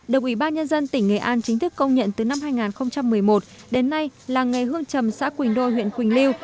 được ủy ban nhân dân tỉnh nghệ an chính thức công nhận từ năm hai nghìn một mươi một đến nay làng nghề hương trầm xã quỳnh đôi huyện quỳnh lưu